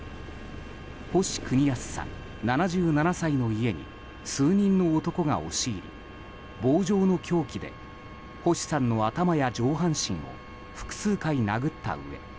星邦康さん、７７歳の家に数人の男が押し入り棒状の凶器で星さんの頭や上半身を複数回殴ったうえ